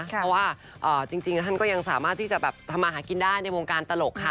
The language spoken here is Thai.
เพราะว่าจริงแล้วท่านก็ยังสามารถที่จะแบบทำมาหากินได้ในวงการตลกค่ะ